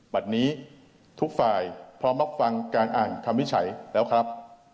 บัตรนี้ทุกฝ่ายพร้อมรับฟังการอ่านคำวิจัยแล้วครับ